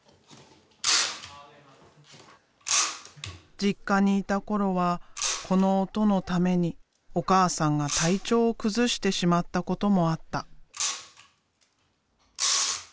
実家にいた頃はこの音のためにお母さんが体調を崩してしまったこともあった。